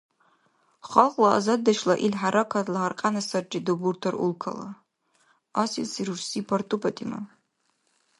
Халкьла азаддешла ил хӀяракатла гьаркьяна сарри Дубуртар Улкала, Асилси рурси Парту ПатӀима.